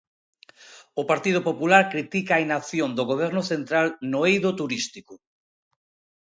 O Partido Popular critica a inacción do Goberno central no eido turístico.